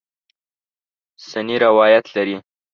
سنې روایت لري.